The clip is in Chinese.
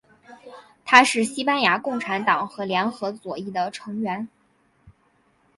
他是西班牙共产党和联合左翼的成员。